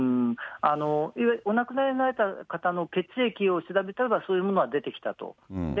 お亡くなりになられた方の血液を調べたらそういうものが出てきたと。